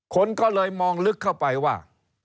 คนก็เลยมองลึกเข้าไปว่า